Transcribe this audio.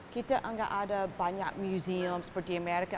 kita nggak ada banyak museum seperti amerika